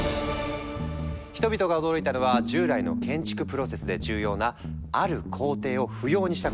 人々が驚いたのは従来の建築プロセスで重要なある工程を不要にしたことなんだ。